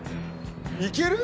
いける⁉